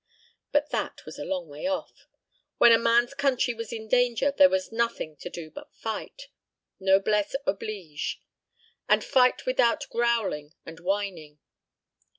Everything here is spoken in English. But that was a long way off. When a man's country was in danger there was nothing to do but fight. Noblesse oblige. And fight without growling and whining.